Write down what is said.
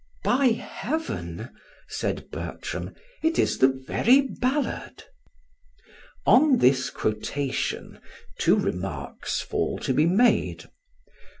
"'By heaven!' said Bertram, 'it is the very ballad.'" On this quotation two remarks fall to be made.